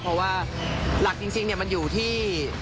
เพราะว่าหลักจริงมันอยู่ที่